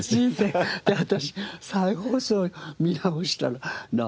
私再放送見直したら「何？